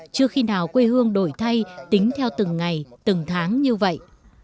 chưa khi nào quê hương đổi thay tính theo từng ngày từng tháng như vậy